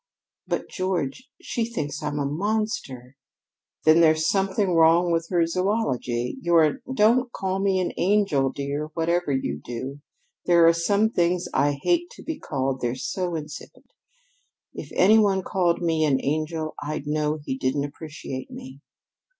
"But, George, she thinks I'm a monster." "Then there's something wrong with her zoology. You're an " "Don't call me an angel, dear, whatever you do! There are some things I hate to be called they're so insipid. If any one called me an angel I'd know he didn't appreciate me.